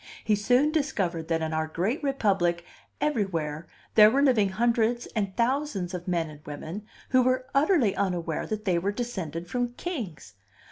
He soon discovered that in our great republic everywhere there were living hundreds and thousands of men and women who were utterly unaware that they were descended from kings.